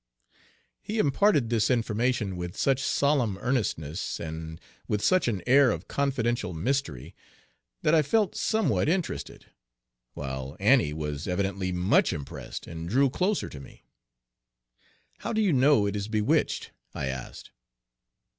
He imparted this information with such solemn earnestness, and with such an air of confidential mystery, that I Page 12 felt somewhat interested, while Annie was evidently much impressed, and drew closer to me. "How do you know it is bewitched?" I asked.